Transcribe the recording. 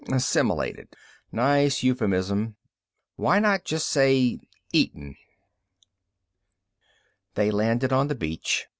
Assimilated nice euphemism. Why not just say eaten? They landed on the beach.